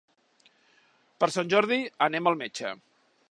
Per Sant Jordi anem al metge.